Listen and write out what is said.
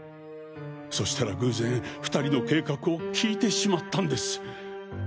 そしたら偶然２人の計画を聞いてしまったんです。